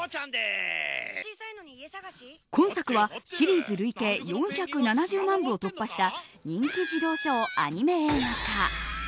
今作はシリーズ累計４７０万部を突破した人気児童書をアニメ映画化。